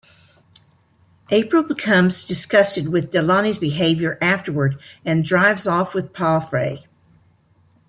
April becomes disgusted with Delauney's behaviour afterward and drives off with Palfrey.